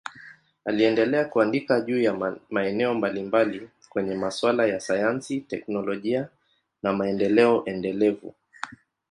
Aliendelea kuandika juu ya maeneo mbalimbali kwenye masuala ya sayansi, teknolojia na maendeleo endelevu.